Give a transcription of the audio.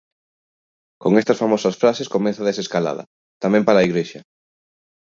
Con estas famosas fases comeza a desescalada, tamén para a Igrexa.